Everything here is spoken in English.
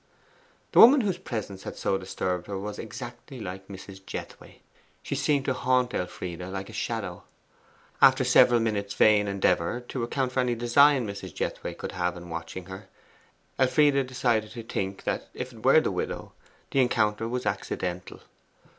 The woman whose presence had so disturbed her was exactly like Mrs. Jethway. She seemed to haunt Elfride like a shadow. After several minutes' vain endeavour to account for any design Mrs. Jethway could have in watching her, Elfride decided to think that, if it were the widow, the encounter was accidental.